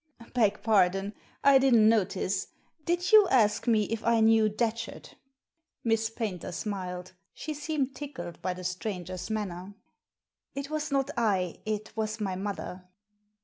" Beg pardon. I didn't notice. Did you ask me if IknewDatchet?" Miss Paynter smiled; she seemed tickled by the stranger's manner. " It was not I ; it was my mother."